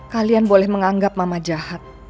kalian boleh menganggap mama jahat